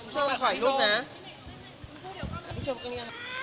ขออภัยที่ร้านเจ๋ย